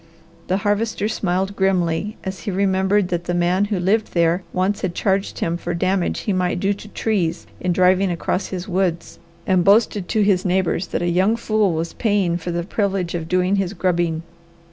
The Harvester smiled grimly as he remembered that the man who lived there once had charged him for damage he might do to trees in driving across his woods, and boasted to his neighbours that a young fool was paying for the privilege of doing his grubbing.